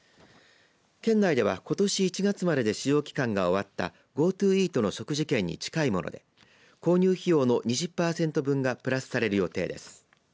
県内ではことし１月までで使用期間が終わったＧｏＴｏイートの食事券に近いもので購入費用の２０パーセント分がプラスされる予定です。